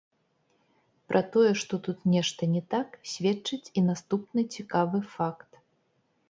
Пра тое, што тут нешта не так, сведчыць і наступны цікавы факт.